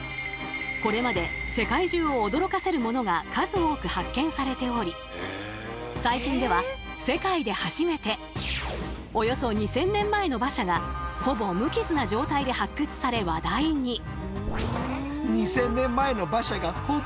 これまで世界中を驚かせるものが数多く発見されており最近では世界で初めておよそ２，０００年前の馬車がほぼ無傷な状態で発掘され話題に。